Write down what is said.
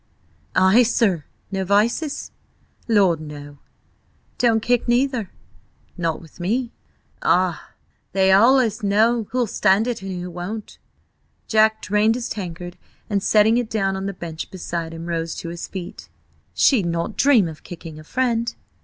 "Ay, sir. No vices?" "Lord, no!" "Don't kick neither?" "Not with me." "Ah! they allus knows who'll stand it and who won't." Jack drained his tankard, and setting it down on the bench beside him, rose to his feet. "She'd not dream of kicking a friend.